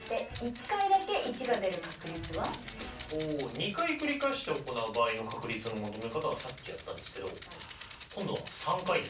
２回繰り返して行う場合の確率の求め方はさっきやったんですけど今度は３回ですか。